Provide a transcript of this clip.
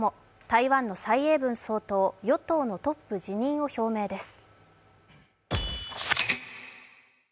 台湾の蔡英文総統、与党のトップ辞任を表明です。